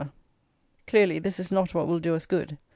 Clearly, this is not what will do us good.